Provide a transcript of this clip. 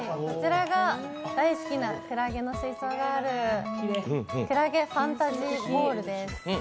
こちらが、大好きなクラゲの水槽があるクラゲファンタジーホールです。